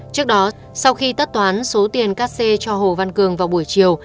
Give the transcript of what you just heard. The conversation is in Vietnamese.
trước đó sau khi tất toán số tiền cắt xe cho hồ văn cường vào buổi chiều